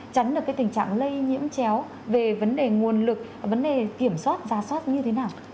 chắn được cái tình trạng lây nhiễm chéo về vấn đề nguồn lực vấn đề kiểm soát gia soát như thế nào